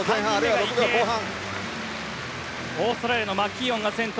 オーストラリアのマキーオンが先頭。